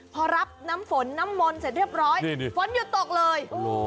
พอรับน้ำฝนน้ำมนต์เสร็จเรียบร้อยฝนหยุดตกเลย